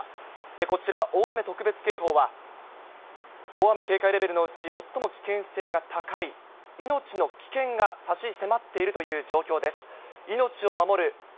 こちら、大雨特別警報は、大雨警戒レベルのうち最も危険性が高い、命の危険が差し迫っているという状況です。